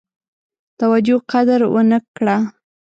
توجه قدر ونه کړه.